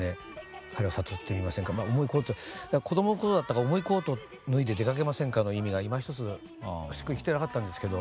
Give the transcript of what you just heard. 子どもの頃だったから「重いコートぬいで出かけませんか」の意味がいまひとつしっくりきてなかったんですけど